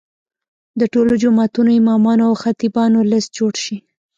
د ټولو جوماتونو امامانو او خطیبانو لست جوړ شي.